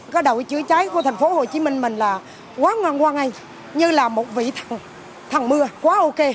cái đội chữa cháy của thành phố hồ chí minh mình là quá ngoan ngoan ấy như là một vị thằng mưa quá ok